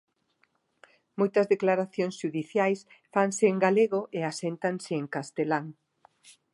Moitas declaracións xudiciais fanse en galego e aséntanse en castelán.